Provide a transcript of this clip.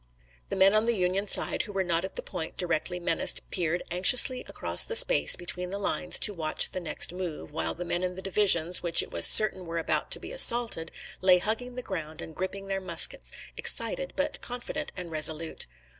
The men on the Union side who were not at the point directly menaced peered anxiously across the space between the lines to watch the next move, while the men in the divisions which it was certain were about to be assaulted, lay hugging the ground and gripping their muskets, excited, but confident and resolute.